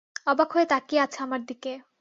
অবাক হয়ে তাকিয়ে আছে আমার দিকে।